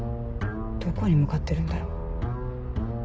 どこに向かってるんだろう。